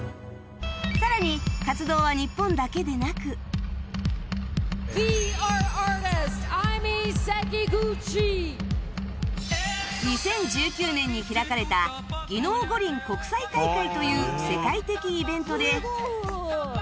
更に活動は日本だけでなく２０１９年に開かれた技能五輪国際大会という世界的イベントで